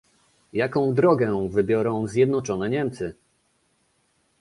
Jaką drogę wybiorą zjednoczone Niemcy?